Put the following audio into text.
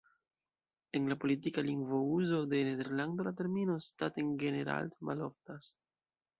En la politika lingvouzo de Nederlando la termino „"Staten-Generaal"“ maloftas.